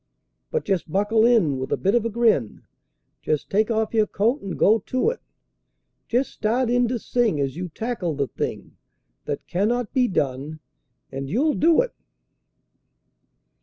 But just buckle in with a bit of a grin, Just take off your coat and go to it; Just start in to sing as you tackle the thing That "cannot be done," and you'll do it.